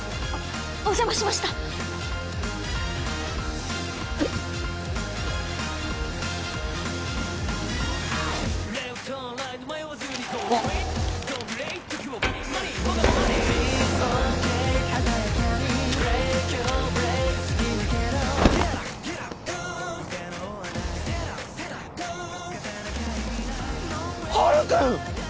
お邪魔しましたあっハルくん！